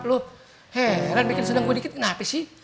loh heran bikin sedang gue dikit kenapa sih